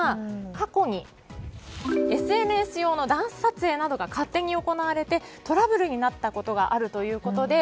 過去に、ＳＮＳ用のダンス撮影などが勝手に行われてトラブルになったことがあるということで